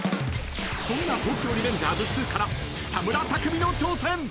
［そんな東京リベンジャーズ２から北村匠海の挑戦］